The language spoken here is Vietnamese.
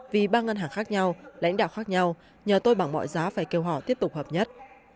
vì ba ngân hàng khác nhau lãnh đạo khác nhau nhờ tôi bằng mọi giá phải kêu họ tiếp tục hợp nhất